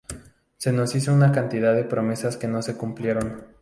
Se nos hizo una cantidad de promesas que no se cumplieron.